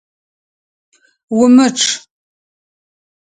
Умычъ!